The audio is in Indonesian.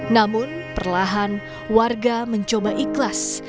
namun perlahan warga mencoba ikhlas